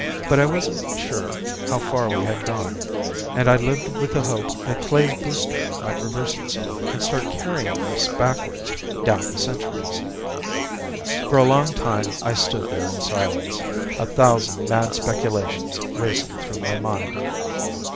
But I wasn't sure how far we had gone, and I lived with the hope that Klae's booster might reverse itself and start carrying us backwards down the centuries." For a long time I stood there in silence, a thousand mad speculations racing through my mind.